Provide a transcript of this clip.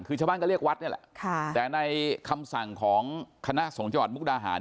คือชาวบ้านก็เรียกวัดนี่แหละแต่ในคำสั่งของคณะสงฆ์จังหวัดมุกดาหาร